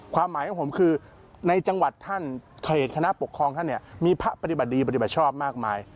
ความหมายของผมคือในจังหวัดท่านเทรดคณะปกครองท่านเนี่ยมีพระปฏิบัติดีปฏิบัติชอบมากมาย